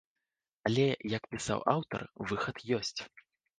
Але, як пісаў аўтар, выхад ёсць.